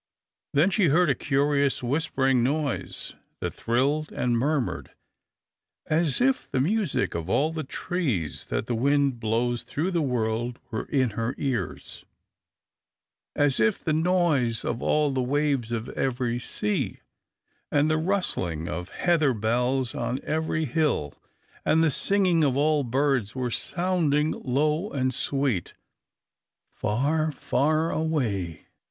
Then she heard a curious whispering noise that thrilled and murmured, as if the music of all the trees that the wind blows through the world were in her ears, as if the noise of all the waves of every sea, and the rustling of heather bells on every hill, and the singing of all birds were sounding, low and sweet, far, far away.